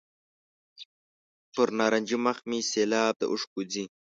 پر نارنجي مخ مې سېلاب د اوښکو ځي.